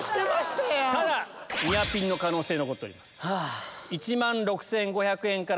ただニアピンの可能性残ってます。